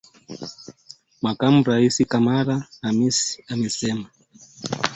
Makamu Rais Kamala Harris amesema